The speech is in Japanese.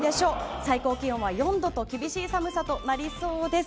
最高気温は４度と厳しい寒さとなりそうです。